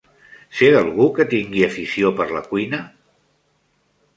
Sé d'algú que tingui afició per la cuina?